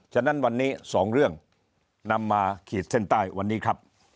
ฉะนั้นวันนี้๒เรื่องนำมาขีดเส้นใต้วันนี้ครับ